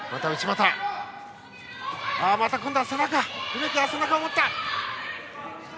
梅木が背中を持った。